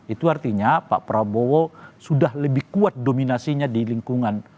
itu artinya pak prabowo sudah lebih kuat dominasinya di lingkungan